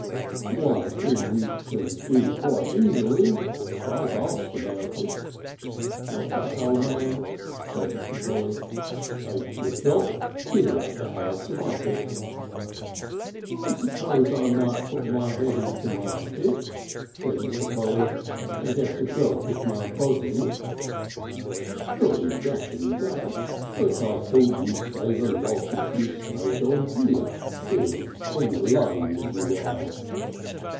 "One thing you can do quite easily. I've asked about it." "What's that, O' Man?" said Mr. Polly. "Take the shop without the house above it." "I suppose I might put my head in to mind it," said Mr. Polly, "and get a job with my body." "Not exactly that. But I thought you'd save a lot if you stayed on here being all alone as you are."